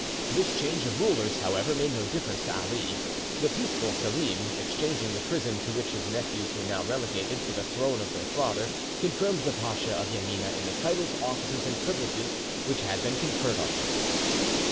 This change of rulers, however, made no difference to Ali; the peaceful Selim, exchanging the prison to which his nephews were now relegated, for the throne of their father, confirmed the Pacha of Janina in the titles, offices, and privileges which had been conferred on him.